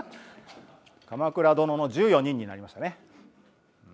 「鎌倉殿の１４人」になりましたね。